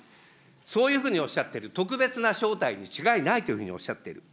そういうふうにおっしゃっている、特別な招待に違いないというふうにおっしゃっている。